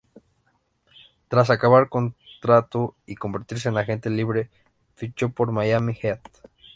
Tras acabar contrato y convertirse en agente libre, fichó por Miami Heat.